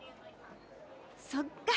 そっか。